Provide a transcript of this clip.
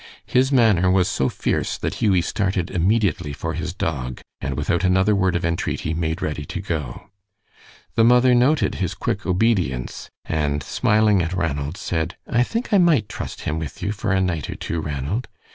His manner was so fierce that Hughie started immediately for his dog, and without another word of entreaty made ready to go. The mother noted his quick obedience, and smiling at Ranald, said: "I think I might trust him with you for a night or two, Ranald.